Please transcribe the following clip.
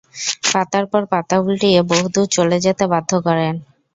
পাতার পর পাতা উল্টিয়ে বহুদূর চলে যেতে বাধ্য করেন।